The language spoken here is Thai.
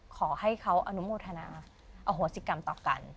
ขอให้เขาอนุโมทนาอโหสิกรรมต่อกัน